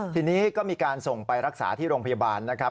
ทีนี้ก็มีการส่งไปรักษาที่โรงพยาบาลนะครับ